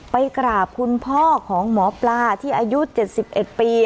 ไปกราบคุณพ่อของหมอปลาที่อายุเจ็ดสิบเอ็ดปี